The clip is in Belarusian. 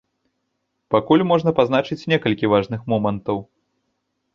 Пакуль можна пазначыць некалькі важных момантаў.